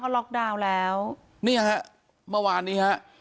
ล็อกดาวน์แล้วเนี่ยฮะเมื่อวานนี้ฮะ